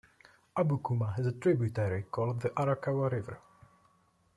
Abukuma has a tributary called the Arakawa River.